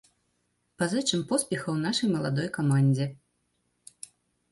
Пазычым поспехаў нашай маладой камандзе.